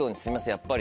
やっぱり。